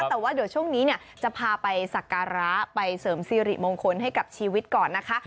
แต่ว่าเดี๋ยวช่วงนี้เนี่ยจะพาไปสักการะไปเสริมสิริมงคลให้กับชีวิตก่อนนะคะ